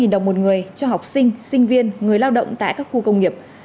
một trăm linh đồng một người cho học sinh sinh viên người lao động tại các khu công nghiệp